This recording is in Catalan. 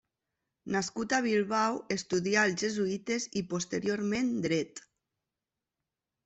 Nascut a Bilbao, estudià als jesuïtes i posteriorment Dret.